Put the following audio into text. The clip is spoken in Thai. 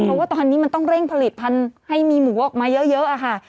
เพราะว่าตอนนี้มันต้องเร่งผลิตภัณฑ์ให้มีหมูออกมาเยอะค่ะ